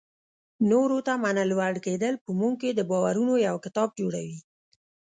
نورو ته د منلو وړ کېدل په موږ کې د باورونو یو کتاب جوړوي.